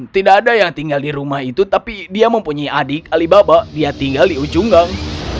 tidak ada yang tinggal di rumah itu tapi dia mempunyai adik alibaba dia tinggal di ujung gang